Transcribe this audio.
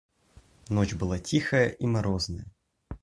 Ночь была тихая и морозная.